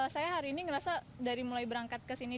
saya hari ini ngerasa dari mulai berangkat ke sini